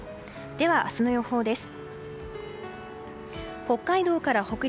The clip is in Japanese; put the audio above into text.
では明日の予報です。